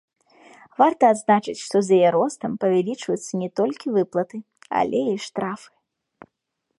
Варта адзначыць, што з яе ростам павялічваюцца не толькі выплаты, але і штрафы.